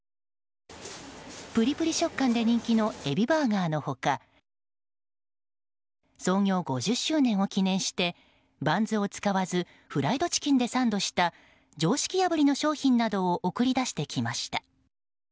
ぷりぷり食感で人気のエビバーガーの他創業５０周年を記念してバンズを使わずフライドチキンでサンドした常識破りの商品などを送り出してきました。